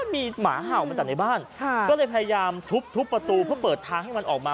มีหมาเห่ามาจากในบ้านก็เลยพยายามทุบประตูเพื่อเปิดทางให้มันออกมา